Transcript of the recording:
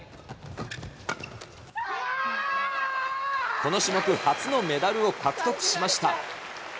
この種目初のメダルを獲得しました。